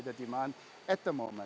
pengembangan saat ini